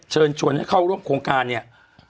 เชิญชวนให้เข้าร่วมโครงการเนี่ย